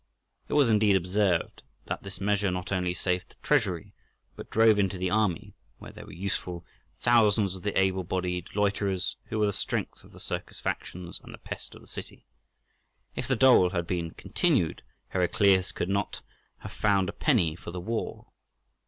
It was indeed observed that this measure not only saved the treasury, but drove into the army—where they were useful—thousands of the able bodied loiterers who were the strength of the circus factions and the pest of the city. If the dole had been continued Heraclius could not have found a penny for the war.